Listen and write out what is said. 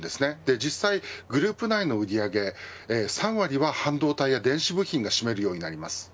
実際、グループ内の売り上げ３割は半導体や電子部品が占めるようになります。